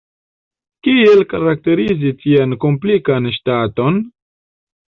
Kiel karakterizi tian komplikan ŝtaton?